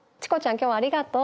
今日はありがとう。